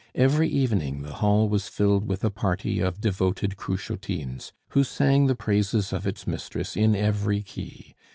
Every evening the hall was filled with a party of devoted Cruchotines, who sang the praises of its mistress in every key.